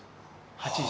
８時。